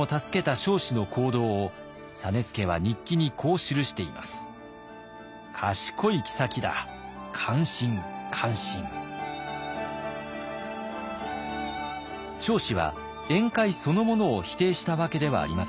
彰子は宴会そのものを否定したわけではありません。